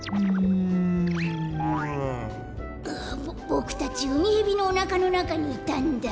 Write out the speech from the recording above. ボボクたちウミヘビのおなかのなかにいたんだ。